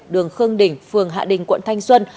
đường khương đình phường hạ đình quận thanh xuân